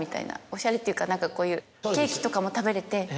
おしゃれというか何かこういうケーキとかも食べれて。